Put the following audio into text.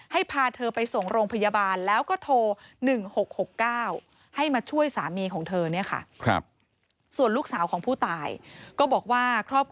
ให้พาเธอไปส่งโรงพยาบาลแล้วก็โทร๑๖๖๙